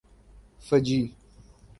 Fiji